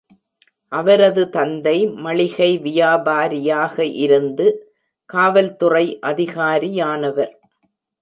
அவரது தந்தை மளிகை வியாபாரியாக இருந்து காவல்துறை அதிகாரியானவர்.